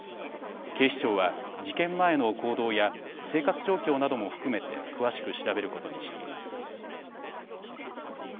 警視庁は事件前の行動や生活状況なども含めて詳しく調べることにしています。